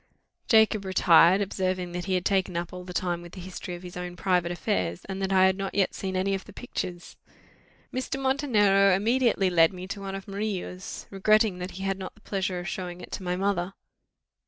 Jacob retired, observing that he had taken up all the time with the history of his own private affairs, and that I had not yet seen any of the pictures. Mr. Montenero immediately led me to one of Murillo's, regretting that he had not the pleasure of showing it to my mother.